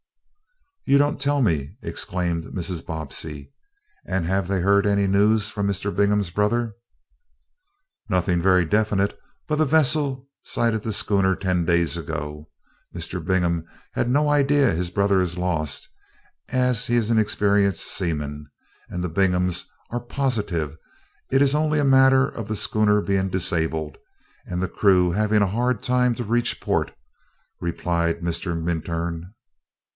"You don't tell me!" exclaimed Mrs. Bobbsey. "And have they heard any news from Mr. Bingham's brother?" "Nothing very definite, but a vessel sighted the schooner ten days ago. Mr. Bingham has no idea his brother is lost, as he is an experienced seaman, and the Binghams are positive it is only a matter of the schooner being disabled, and the crew having a hard time to reach port," replied Mr. Minturn.